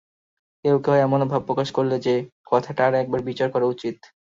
কেউ কেউ এমনও ভাব প্রকাশ করলে যে, কথাটা আর-একবার বিচার করা উচিত।